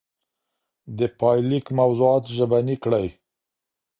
د پايليک موضوعات ژبني کړئ.